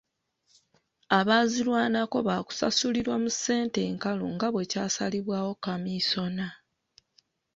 Abaazirwanako baakusasulirwa mu ssente nkalu nga bwe kyasalibwawo kamiisona.